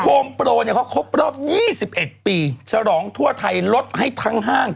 โฮมโปรเนี่ยเขาครบรอบ๒๑ปีฉลองทั่วไทยลดให้ทั้งห้าง